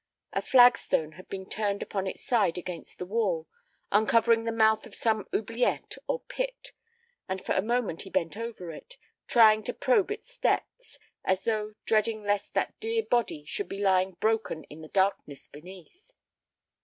A flagstone had been turned upon its side against the wall, uncovering the mouth of some oubliette or pit, and for a moment he bent over it, trying to probe its depths, as though dreading lest that dear body should be lying broken in the darkness beneath.